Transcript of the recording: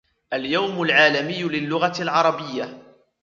اليوم العالمي للغة العربية.